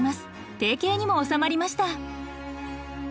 定型にも収まりました。